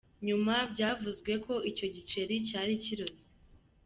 Nyuma byavuzwe ko icyo giceri cyari kiroze.